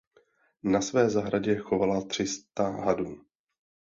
Na své zahradě chovala tři sta hadů.